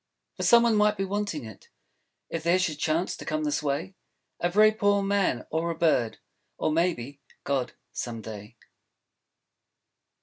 For some one might be wanting it, If there should chance to come this way, A very poor Man; or a Bird; Or maybe, God, some day.